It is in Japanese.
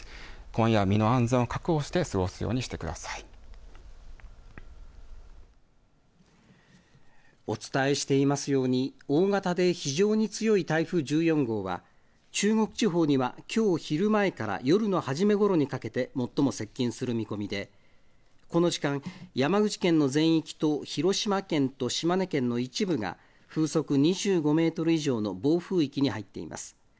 今夜は身の安全を確保してお伝えしていますように、大型で非常に強い台風１４号は、中国地方にはきょう昼前から夜の初めごろにかけて、最も接近する見込みで、この時間、山口県の全域と広島県と島根県の一部が風速２５メートル以上の暴風域に入っています。